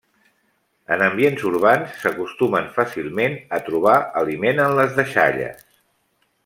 En ambients urbans, s'acostumen fàcilment a trobar aliment en les deixalles.